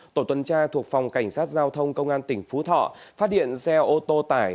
tổ tuần tra thuộc phòng cảnh sát giao thông công an tỉnh phú thọ phát hiện xe ô tô tải